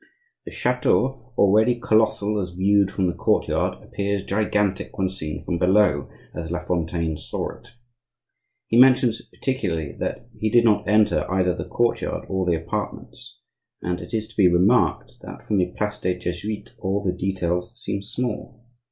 The chateau, already colossal as viewed from the courtyard, appears gigantic when seen from below, as La Fontaine saw it. He mentions particularly that he did not enter either the courtyard or the apartments, and it is to be remarked that from the place des Jesuites all the details seem small.